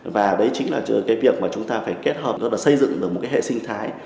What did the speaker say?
và đấy chính là việc chúng ta phải kết hợp xây dựng được một hệ sinh thái